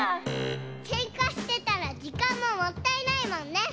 けんかしてたらじかんももったいないもんね。